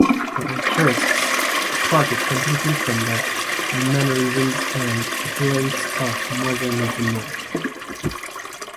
The Ultraists departed completely from the mannerisms and opulence of Modernismo.